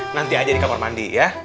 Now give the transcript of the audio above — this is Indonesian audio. nanti aja di kamar mandi ya